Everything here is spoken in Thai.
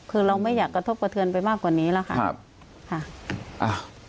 คือเราไม่อยากกระทบกระเทือนไปมากกว่านี้แล้วค่ะ